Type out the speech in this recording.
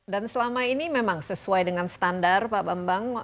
dan selama ini memang sesuai dengan standar pak bambang